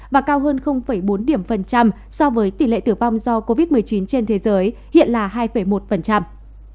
và cao hơn bốn điểm phần trăm so với tỷ lệ tử vong do covid một mươi chín trên thế giới hiện là hai một